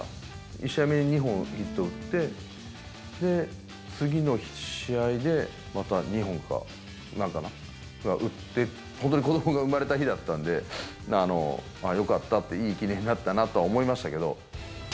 １試合目に２本ヒット打って、で、次の試合でまた２本か、なんか打って、本当に子どもが産まれた日だったんで、ああ、よかったって、いい記念になったなって思いましたけど。